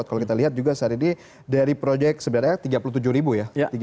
kalau kita lihat juga sehari ini dari proyek sebenarnya tiga puluh tujuh ribu ya